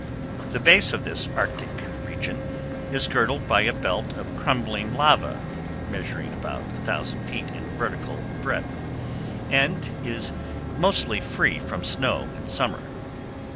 The base of this arctic region is girdled by a belt of crumbling lava measuring about 1000 feet in vertical breadth, and is mostly free from snow in summer.